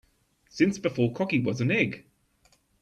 Since before cocky was an egg.